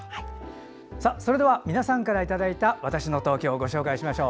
それでは皆さんからいただいた「＃わたしの東京」ご紹介しましょう。